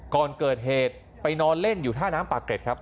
ก่อนเกิดเหตุไปนอนเล่นอยู่ท่าน้ำปากเกร็ดครับ